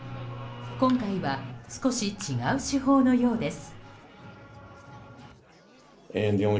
今回は少し違う手法のようです。